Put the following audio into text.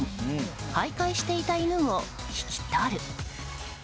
徘徊していた犬を引き取る。